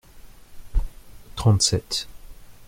Trente-sept.